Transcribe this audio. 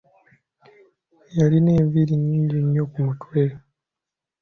Yalina enviiri nnyingi nnyo ku mutwe.